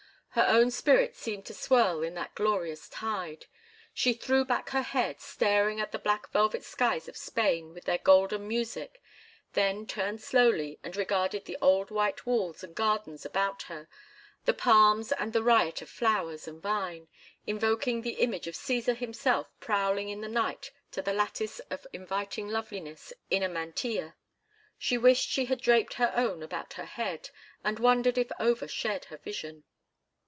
Her own spirit seemed to swirl in that glorious tide. She threw back her head, staring at the black velvet skies of Spain with their golden music, then turned slowly and regarded the old white walls and gardens about her, the palms and the riot of flowers and vine, invoking the image of Cæsar himself prowling in the night to the lattice of inviting loveliness in a mantilla. She wished she had draped her own about her head, and wondered if Over shared her vision.